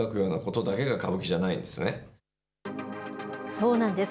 そうなんです。